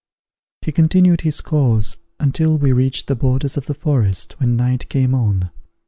He continued his course until we reached the borders of the forest, when night came on.